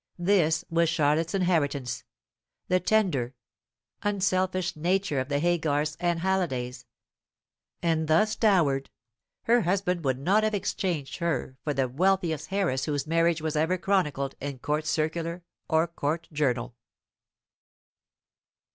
This was Charlotte's Inheritance, the tender, unselfish nature of the Haygarths and Hallidays; and thus dowered, her husband would not have exchanged her for the wealthiest heiress whose marriage was ever chronicled in Court Circular or Court Journal.